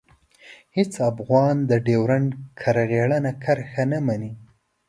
هېڅ افغان د ډیورنډ کرغېړنه کرښه نه مني.